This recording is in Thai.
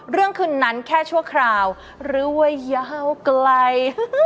เรื่องคืนนั้นแค่ชั่วคราวหรือว่ายาวไกล